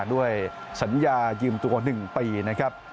ด้วยสัญญายืมตัว๑ปี